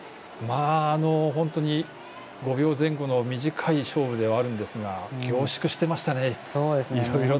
本当に、５秒前後の短い勝負ではあるんですが凝縮していましたね、いろいろと。